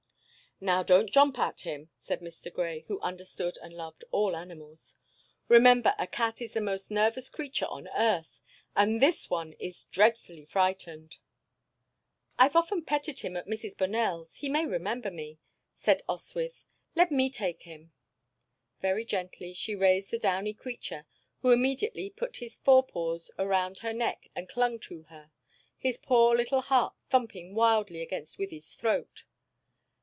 "Now, don't jump at him," said Mr. Grey, who understood and loved all animals. "Remember, a cat is the most nervous creature on earth, and this one is dreadfully frightened." "I've often petted him at Mrs. Bonell's; he may remember me," said Oswyth. "Let me take him." Very gently she raised the downy creature, who immediately put his forepaws around her neck and clung to her, his poor little heart thumping wildly against Wythie's throat.